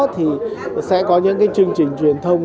thì sẽ có những chương trình truyền thông